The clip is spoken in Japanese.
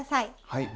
はい。